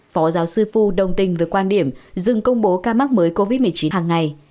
phó giáo sư phu đồng tình với quan điểm dừng công bố ca mắc mới covid một mươi chín hàng ngày